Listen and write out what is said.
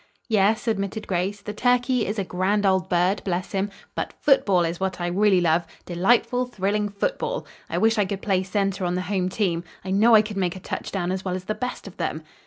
"Yes," admitted Grace, "the turkey is a grand old bird, bless him, but football is what I really love, delightful, thrilling football. I wish I could play center on the home team. I know I could make a touchdown as well as the best of them."